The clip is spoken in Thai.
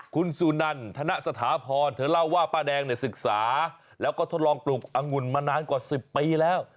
คุณสุนันธนสถาพรเธอเล่าว่าป้าแดงเนี่ยศึกษาแล้วก็ทดลองปลูกอังุ่นมานานกว่า๑๐ปีแล้ว